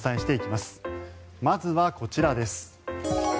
まずはこちらです。